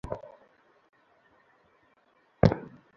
অবশ্যই এতে মুমিনদের জন্যে রয়েছে নিদর্শন।